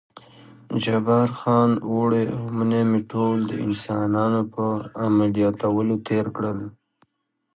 جبار خان: اوړی او منی مې ټول د انسانانو په عملیاتولو تېر کړل.